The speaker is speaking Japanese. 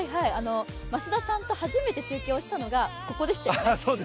増田さんと初めて中継をしたのがここでしたよね。